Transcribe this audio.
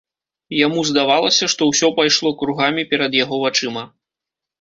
Яму здавалася, што ўсё пайшло кругамі перад яго вачыма.